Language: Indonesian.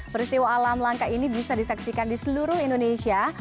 peristiwa alam langka ini bisa disaksikan di seluruh indonesia